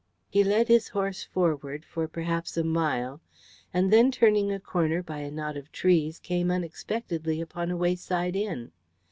He led his horse forward for perhaps a mile, and then turning a corner by a knot of trees came unexpectedly upon a wayside inn.